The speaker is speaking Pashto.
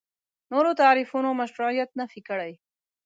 نورو تعریفونو مشروعیت نفي کړي.